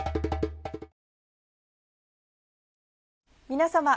皆様。